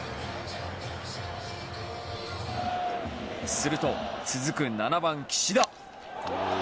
すると、続く７番・岸田。